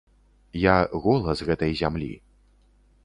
Я голас гэтай зямлі.